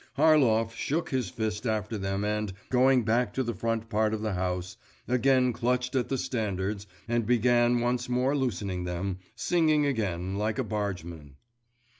Harlov shook his fist after them and, going back to the front part of the house, again clutched at the standards and began once more loosening them, singing again, like a bargeman.